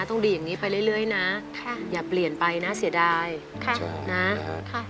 ต้องดีอย่างนี้ไปเรื่อยนะค่ะอย่าเปลี่ยนไปนะเสียดายค่ะนะค่ะ